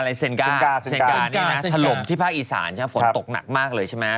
เทศผลุที่ภาคอีซานฝนตกหนักมากเลยใช่ไหม